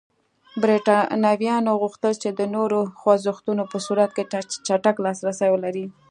برېټانویانو غوښتل چې د نورو خوځښتونو په صورت کې چټک لاسرسی ولري.